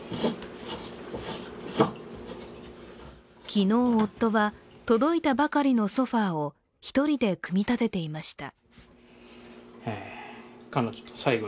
昨日、夫は届いたばかりのソファーを１人で組み立てていました。